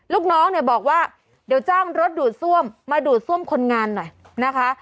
ลูกน้องเนี่ยบอกว่าเดี๋ยวจ้างรถดูดซ่วมมาดูดซ่วมคนงานหน่อยนะคะ